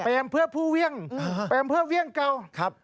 เป็นเพื่อผู้เวี่ยงเพื่อเวี่ยงเก่า